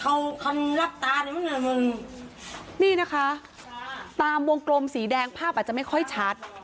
เขาเข้ารับตานี่นะคะตามวงกลมสีแดงภาพอาจจะไม่ค่อยชัด